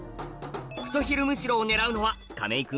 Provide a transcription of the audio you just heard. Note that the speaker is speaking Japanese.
フトヒルムシロを狙うのは亀井君